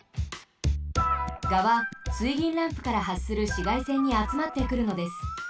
がは水銀ランプからはっするしがいせんにあつまってくるのです。